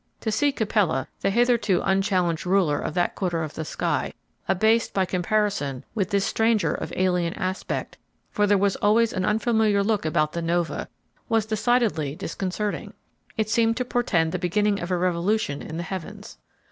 To see Capella, the hitherto unchallenged ruler of that quarter of the sky, abased by comparison with this stranger of alien aspect, for there was always an unfamiliar look about the "nova," was decidedly disconcerting. It seemed to portend the beginning of a revolution in the heavens.